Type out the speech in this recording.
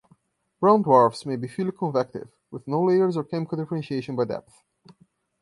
Brown dwarfs may be fully convective, with no layers or chemical differentiation by depth.